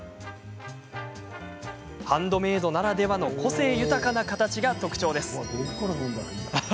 ハンドメードならではの個性豊かな形が特徴です。